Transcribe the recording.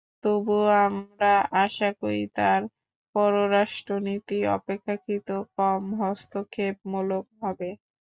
তবু আমরা আশা করি তাঁর পররাষ্ট্রনীতি অপেক্ষাকৃত কম হস্তক্ষেপমূলক হবে।